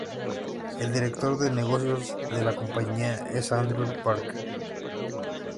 El director de negocio de la compañía es Andrew Parker.